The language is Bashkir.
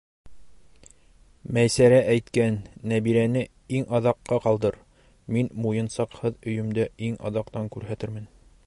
Мәйсәрә әйткән, Нәбирәне иң аҙаҡҡа ҡалдыр, мин муйынсаҡһыҙ өйөмдө иң аҙаҡтан күрһәтермен!